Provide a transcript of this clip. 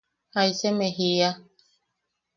¿Jaisa eme jiia?